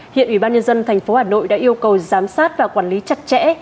hiện ủy ban nhân dân tp hà nội đã yêu cầu giám sát và quản lý chặt chẽ